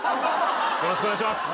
よろしくお願いします。